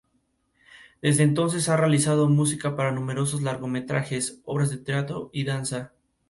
Desde entonces ha realizado música para numerosos largometrajes, obras de teatro y danza.